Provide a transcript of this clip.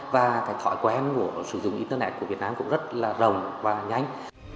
và cái thói quen của sử dụng internet của việt nam cũng rất là đồng và nhanh